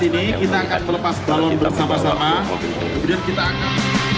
di sini kita akan melepas talon bersama sama